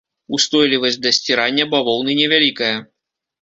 Устойлівасць да сцірання бавоўны невялікая.